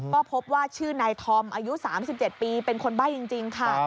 ก็พบว่าชื่อนายธอมอายุ๓๗ปีเป็นคนใบ้จริงค่ะ